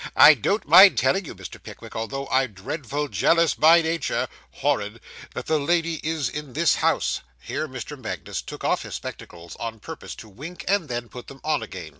I don't mind telling you, Mr. Pickwick, although I'm dreadful jealous by nature horrid that the lady is in this house.' Here Mr. Magnus took off his spectacles, on purpose to wink, and then put them on again.